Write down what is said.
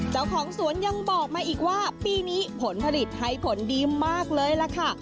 เจ้าของสวนยังบอกมาอีกว่าปีนี้ผลผลิตให้ผลดีมากเลยล่ะค่ะ